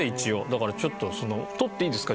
だからちょっとその撮っていいですか？